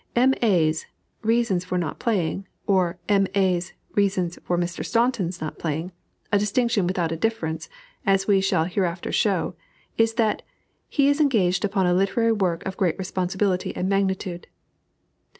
"M. A.'s" reasons for not playing, or "M. A.'s" reasons for Mr. Staunton's not playing a distinction without a difference, as we shall hereafter show is that "he is engaged upon a literary work of great responsibility and magnitude."